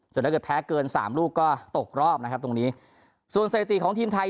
ส่วนเมื่อแพ้เกิน๓ลูกก็ตกรอบนะครับตรงนี้ส่วนเสียดีของทีมไทย